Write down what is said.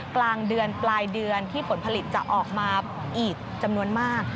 กลางเดือนปลายเดือนที่ผลผลิตจะออกมาอีกจำนวนมาก